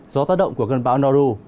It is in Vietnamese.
gió tác động của cơn bão noru